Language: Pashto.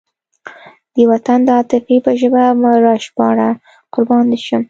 د وطن د عاطفې په ژبه مه راژباړه قربان دې شم.